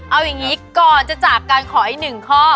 เอาอย่างนี้ก่อนจะจากการขออีกหนึ่งข้อ